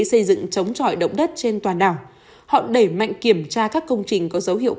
xây dựng chống trọi động đất trên toàn đảo họ đẩy mạnh kiểm tra các công trình có dấu hiệu